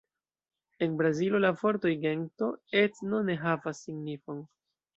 En Brazilo la vortoj gento, etno ne havas signifon.